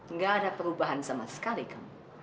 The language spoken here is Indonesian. nggak ada perubahan sama sekali kamu